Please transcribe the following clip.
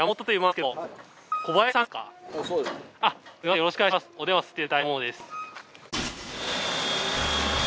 よろしくお願いします。